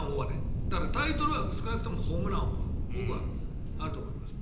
タイトルは少なくともホームラン王僕はあると思います。